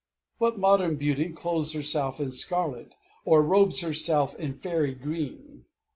What modern beauty clothes herself in scarlet, or robes herself in fairy green?